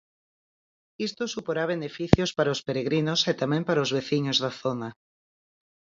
Isto suporá beneficios para os peregrinos e tamén para os veciños da zona.